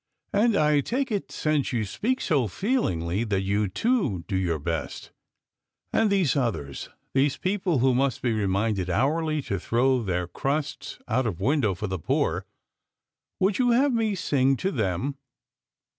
And I take it, since you speak so feelingly, that you, too, do your best. And these others, these people who must be re minded hourly to throw their crusts out of window for the poor would you have me sing to them